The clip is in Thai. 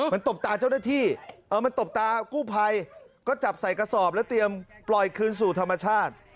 มันตบตาเจ้าหน้าที่มันตบตากู้ภัยก็จับใส่กระสอบแล้วเตรียมปล่อยคืนสู่ธรรมชาติ